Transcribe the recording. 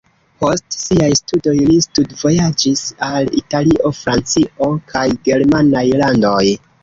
Post siaj studoj li studvojaĝis al Italio, Francio kaj germanaj landoj.